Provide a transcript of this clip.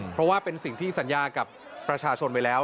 เพราะว่าเป็นสิ่งที่สัญญากับประชาชนไปแล้ว